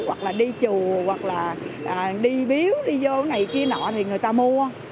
hoặc là đi trù hoặc là đi biếu đi vô này kia nọ thì người ta mua